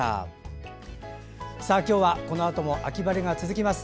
今日はこのあとも秋晴れが続きます。